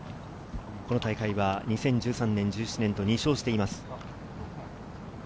この大会は２０１３年、１７年と２勝しています。